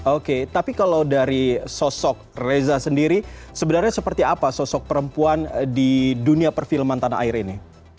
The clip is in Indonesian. oke tapi kalau dari sosok reza sendiri sebenarnya seperti apa sosok perempuan di dunia perfilman tanah air ini